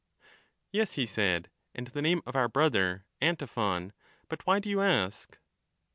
Yes, he said, and the name of our brother, Antiphon ; but why do you ask